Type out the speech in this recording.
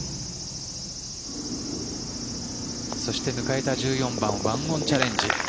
そして迎えた１４番１オンチャレンジ。